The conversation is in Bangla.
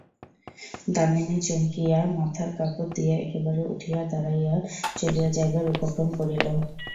দামিনী চমকিয়া মাথায় কাপড় দিয়া একেবারে উঠিয়া দাঁড়াইয়া চলিয়া যাইবার উপক্রম করিল।